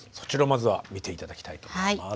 まずは見て頂きたいと思います。